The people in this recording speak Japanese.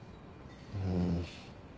うん。